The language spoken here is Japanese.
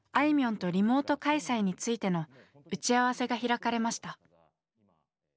いみょんとリモート開催についての打ち合わせが開かれました。